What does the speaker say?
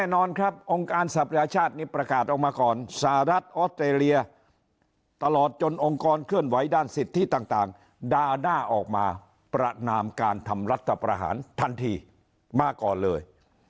แน่นอนครับองค์การสัพยาชาตินี้ประกาศออกมาก่อนสหรัฐออสเตรเลียตลอดจนองค์กรเคลื่อนไหวด้านสิทธิต่างด่าหน้าออกมาประนามการทำรัฐประหารทันทีมาก่อนเลย